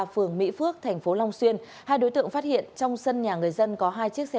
phường mỹ phước thành phố long xuyên hai đối tượng phát hiện trong sân nhà người dân có hai chiếc xe